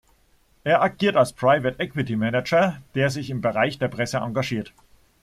Er agiert als Private Equity-Manager, der sich im Bereich der Presse engagiert.